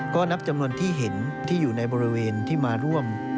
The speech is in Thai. ก็นับจำนวนที่เห็นที่อยู่ในบริเวณที่มาร่วม